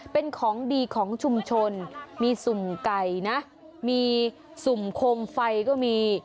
เป็นของดีของชุมชนมีสุ่มไก่นะมีสุ่มโคมไฟก็มี